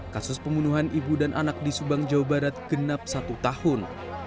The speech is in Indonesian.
kasus pembunuhan ibu dan anak di subang jawa barat genap satu tahun